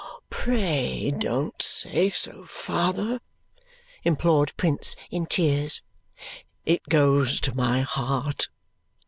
"Pray don't say so, father," implored Prince, in tears. "It goes to my heart.